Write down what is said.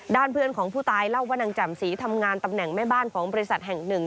ด้านเพื่อนของผู้ตายเล่าว่านางจำศรีทำงานตำแหน่งแม่บ้านของบริษัทแห่งหนึ่ง